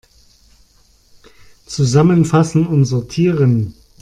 Zusammenfassen und sortieren!